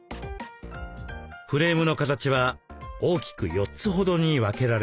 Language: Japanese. フレームの形は大きく４つほどに分けられます。